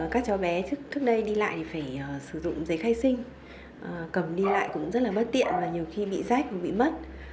các cháu bé trước đây đi lại thì phải sử dụng giấy khai sinh cầm đi lại cũng rất là bất tiện và nhiều khi bị rách và bị mất